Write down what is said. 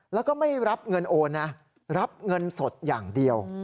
แล้วก็ไม่รับเงินโอนนะรับเงินสดอย่างเดียว